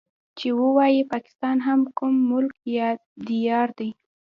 چې ووايي پاکستان هم کوم ملک يا ديار دی.